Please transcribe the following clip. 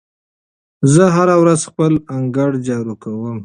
زه هره ورځ خپل انګړ جارو کوم.